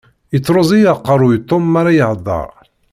Yettruẓ-iyi aqerru Tom mara ihedder.